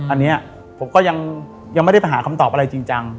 อันนี้ผมก็ยังไม่ได้ไปหาคำตอบอะไรจริงจัง